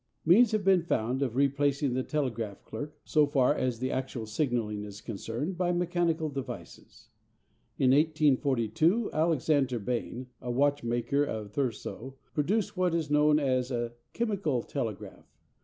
Means have been found of replacing the telegraph clerk, so far as the actual signalling is concerned, by mechanical devices. In 1842 Alexander Bain, a watchmaker of Thurso, produced what is known as a "chemical telegraph."